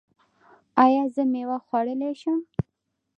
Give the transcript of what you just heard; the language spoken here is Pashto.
ایا زه میوه خوړلی شم؟